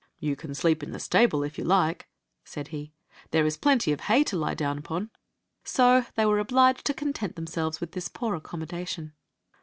" You can sleep in the stable if you like," said he. "There is plenty of hay to lie down upon." So they were obliged to content themselves with this poor accommodation.